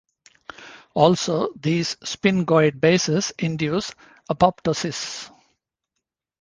Also, these sphingoid bases induce apoptosis.